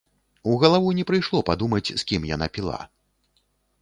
У галаву не прыйшло падумаць, з кім яна піла.